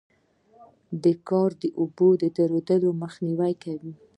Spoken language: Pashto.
دا کار د اوبو د درېدو مخنیوی کوي